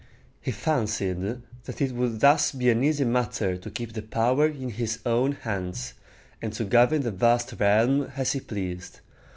He fancied that it would thus be an easy matter to keep the power in his own hands, and to govern the vast realm as he pleased.